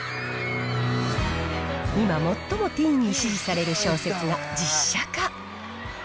今最もティーンに支持される小説を実写化。